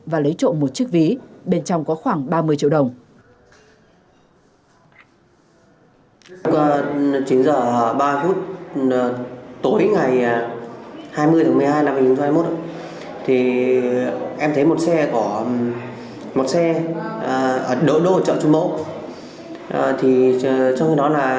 và lấy trộm một chiếc ví bên trong có khoảng ba mươi triệu đồng